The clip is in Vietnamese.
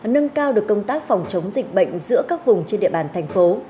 nâng cao được công tác phòng chống dịch bệnh giữa các vùng trên địa bàn thành phố